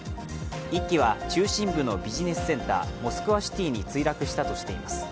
１機は中心部のビジネスセンター、モスクワシティに墜落したとしています。